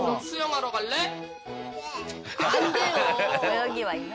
泳ぎはいいの？